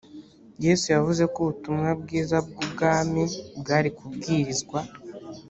yesu yavuze ko ubutumwa bwiza bw’ubwami bwari kubwirizwa